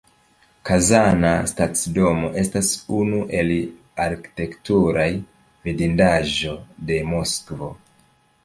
Kazana stacidomo estas unu el arkitekturaj vidindaĵoj de Moskvo.